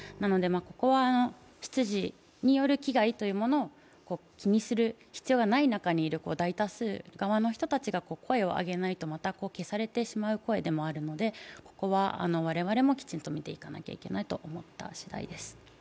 ここは出自による危害を気にする必要がない中にいる大多数側にいる人たちが声を上げないと、また消されてしまう声でもあるので、ここは我々もきちんと見ていかないといけないと思った次第です。